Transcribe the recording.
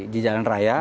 di jalan raya